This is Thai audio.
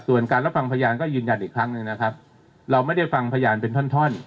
ส่วนการรับฟังพยานก็ยืนยันอีกครั้งหนึ่งนะครับเราไม่ได้ฟังพยานเป็นท่อน